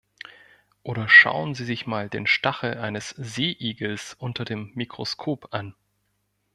Oder schauen Sie sich mal den Stachel eines Seeigels unter dem Mikroskop an.